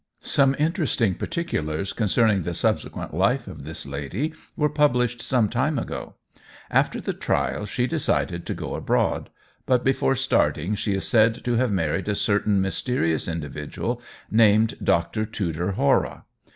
Some interesting particulars concerning the subsequent life of this lady were published some time ago. After the trial she decided to go abroad; but before starting she is said to have married a certain mysterious individual named Dr. Tudor Hora.